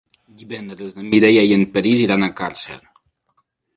Divendres na Mireia i en Peris iran a Càrcer.